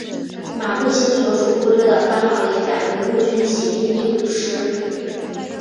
马步青所属部队的番号也改为陆军骑兵第五师。